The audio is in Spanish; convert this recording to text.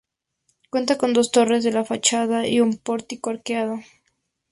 Cuenta con dos torres en la fachada y un pórtico arqueado.